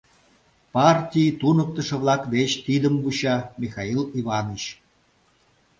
Партий туныктышо-влак деч тидым вуча, Михаил Иваныч!